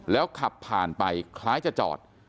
แล้วขับผ่านไปคล้ายจะจอด